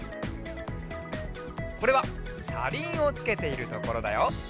これはしゃりんをつけているところだよ。